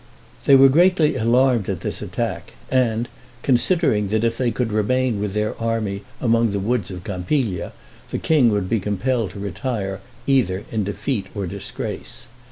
They were greatly alarmed at this attack, and, considering that if they could remain with their army among the woods of Campiglia, the king would be compelled to retire either in defeat or disgrace.